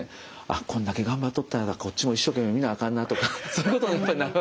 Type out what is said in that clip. こんだけ頑張っとったらこっちも一生懸命診なあかんなとかそういうことにやっぱりなるわけですね。